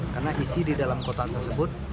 karena isi di dalam kotak tersebut